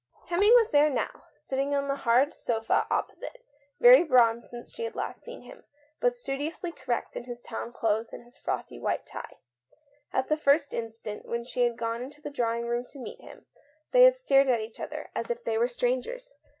Hemming was there now, sitting on the hard sofa opposite, very bronzed since she had last seen him, but studiously correct in his London clothes and his frothy white tie. At the first instant, when she had gone into the drawing room to meet him, they had stared at each other as if they were strangers.